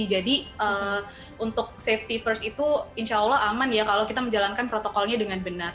jadi untuk safety first itu insya allah aman ya kalau kita menjalankan protokolnya dengan benar